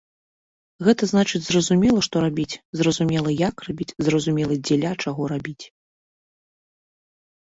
Гэта значыць зразумела што рабіць, зразумела як рабіць, зразумела дзеля чаго рабіць.